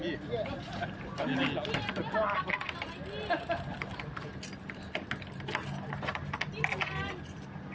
พี่สุนัยคิดถึงลูกไหมครับ